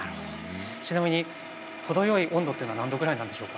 ちなみに程よい温度は何度ぐらいなんでしょうか？